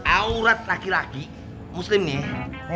aurat laki laki muslimnya